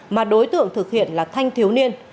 mà đối tượng thực hiện là thanh thiếu niên